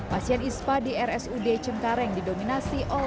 pasien ispa di rsud cengkareng dibuat berkumpul